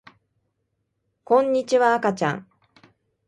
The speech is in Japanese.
こんにちはあかちゃん